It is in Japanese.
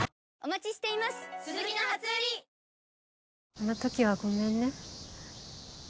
あの時はごめんね。